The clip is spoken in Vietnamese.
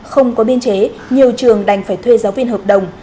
không có biên chế nhiều trường đành phải thuê giáo viên hợp đồng